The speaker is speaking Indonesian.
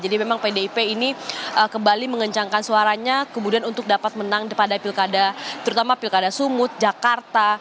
jadi memang pdip ini kembali mengencangkan suaranya kemudian untuk dapat menang pada pilkada terutama pilkada sungut jakarta